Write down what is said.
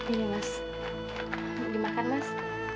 ini mas dimakan mas